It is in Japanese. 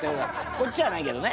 こっちじゃないけどね。